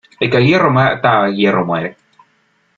El que a hierro mata a hierro muere.